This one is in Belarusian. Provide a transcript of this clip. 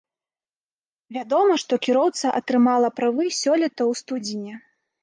Вядома, што кіроўца атрымала правы сёлета ў студзені.